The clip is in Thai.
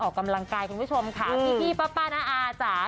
กำลังกายคุณผู้ชมค่ะพี่พี่ป๊าป้าน้าอาจ๋า